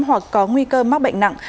hoặc có nguy cơ mắc bệnh nặng